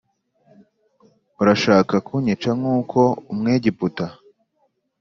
Urashaka kunyica nk’ uko umwegiputa